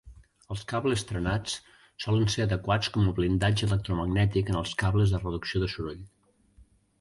Els cables trenats solen ser adequats com a blindatge electromagnètic en els cables de reducció de soroll.